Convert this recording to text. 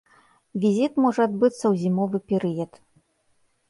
Візіт можа адбыцца ў зімовы перыяд.